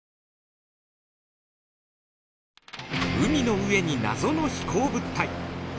海の上に謎の飛行物体。